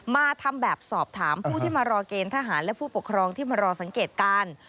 มาทำแบบสอบถามผู้ที่มารอเกณฑ์ทหารและผู้ปกครองที่มารอสังเกตการ